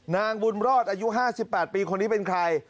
นางบุญรอดอายุ๕๘ปีคนนี้เป็นใคร